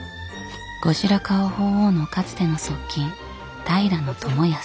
後白河法皇のかつての側近平知康。